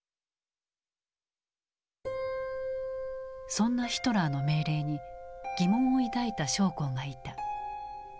そんなヒトラーの命令に疑問を抱いた将校がいた。